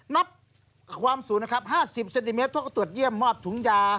นับความสูงนะครับ๕๐เซนติเมตรเขาก็ตรวจเยี่ยมมอบถุงยา